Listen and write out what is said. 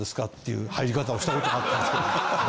いう入り方をしたことがあったんですけども。